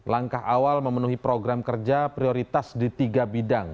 langkah awal memenuhi program kerja prioritas di tiga bidang